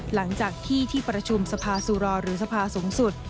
หลังจากที่ที่ประชุมสภาสุรอหรือสภาสูงสุด